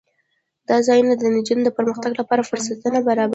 دا ځایونه د نجونو د پرمختګ لپاره فرصتونه برابروي.